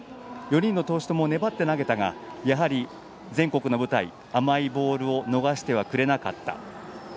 ４人の投手とも粘って投げたがやはり、全国の舞台甘いボールを逃してはくれなかった。